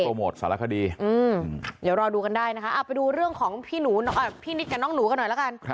โมทสารคดีเดี๋ยวรอดูกันได้นะคะไปดูเรื่องของพี่นิดกับน้องหนูกันหน่อยละกัน